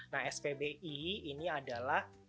nah spbi ini adalah